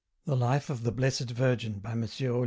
*' The Life of the Blessed Virgin," by M. Olier.